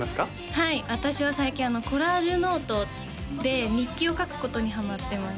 はい私は最近コラージュノートで日記を書くことにハマってます